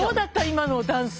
今のダンス。